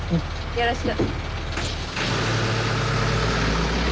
よろしく。